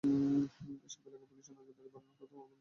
এসব এলাকায় পুলিশের নজরদারি বাড়ানোর কথা বলা হলেও থেমে নেই ছিনতাই।